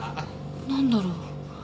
何だろう。